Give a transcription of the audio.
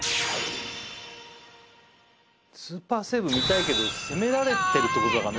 スーパーセーブ見たいけど攻められてるってことだからね。